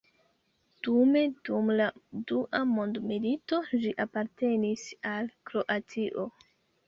Dume dum la Dua Mondmilito ĝi apartenis al Kroatio.